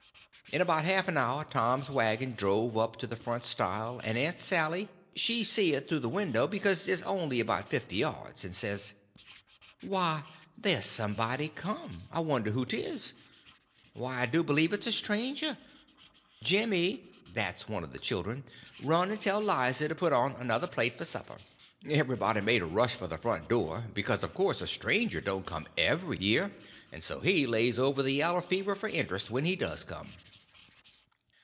In about half an hour Tom's wagon drove up to the front stile, and Aunt Sally she see it through the window, because it was only about fifty yards, and says: "Why, there's somebody come! I wonder who 'tis? Why, I do believe it's a stranger. Jimmy" (that's one of the children) "run and tell Lize to put on another plate for dinner." Everybody made a rush for the front door, because, of course, a stranger don't come every year, and so he lays over the yaller fever, for interest, when he does come.